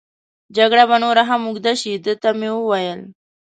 جګړه به نوره هم اوږد شي، ده ته مې وویل.